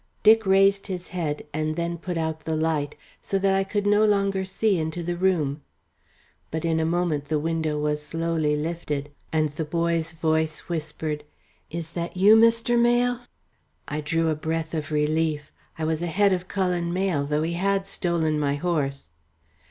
Dick raised his head, and then put out the light, so that I could no longer see into the room; but in a moment the window was slowly lifted, and the boy's voice whispered: "Is that you, Mr. Mayle?" I drew a breath of relief. I was ahead of Cullen Mayle, though he had stolen my horse.